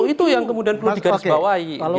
itu yang kemudian perlu digarisbawahi